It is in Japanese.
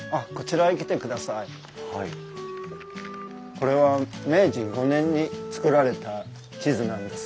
これは明治５年に作られた地図なんです。